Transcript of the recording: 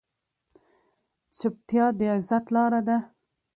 چپتیا، د عزت لاره ده.